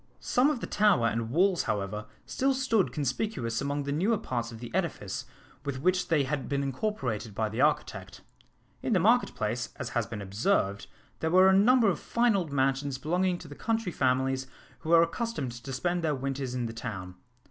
Some of the tower? and walls, however, still stood conspicuous among the newer parts of the edifice with which they had been incorporated by the architect. In the market place, as has been observed, there were a number of fine old mansions belonging to the country families who were accustomed to spend their winters in the town.